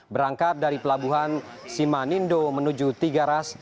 berangkat dari pelabuhan simanindo menuju tiga ras